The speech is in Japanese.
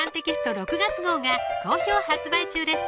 ６月号が好評発売中です